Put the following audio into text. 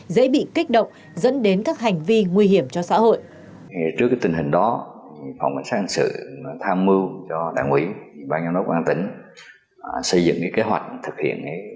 dễ bị kích động dẫn đến các hành vi nguy hiểm cho xã hội